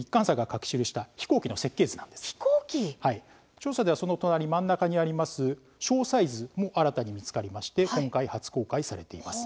調査ではその隣真ん中にあります詳細図も新たに見つかりまして今回初公開されています。